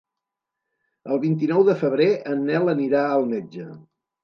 El vint-i-nou de febrer en Nel anirà al metge.